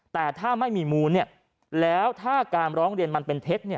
แต่ถ้าไม่มีมูลแล้วถ้าการร้องเรียนมันเป็นเท็จ